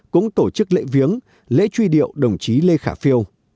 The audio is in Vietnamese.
cũng tổ chức lễ viếng lễ truy điệu đồng chí lê khả phiêu